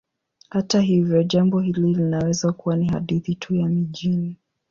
Hata hivyo, jambo hili linaweza kuwa ni hadithi tu ya mijini.